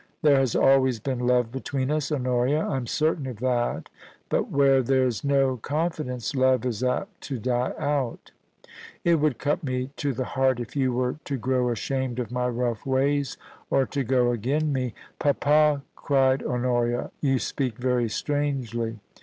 There has always been love between us, Honoria — I'm certain of that — but where there's no con fidence, love is apt to die out It would cut me to the heart if you were to grow ashamed of my rough ways, or to go agen me '* Papa,' cried Honoria, * you speak very strangely.